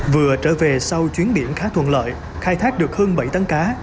vừa trở về sau chuyến biển khá thuận lợi khai thác được hơn bảy tấn cá